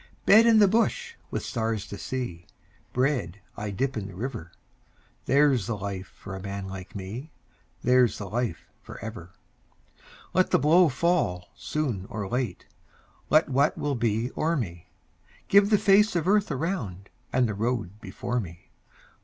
Bed in the bush with stars to see, Bread I dip in the river There's the life for a man like me, There's the life for ever. Let the blow fall soon or late, Let what will be o'er me; Give the face of earth around And the road before me.